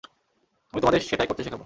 আমি তোমাদের সেটাই করতে শেখাবো।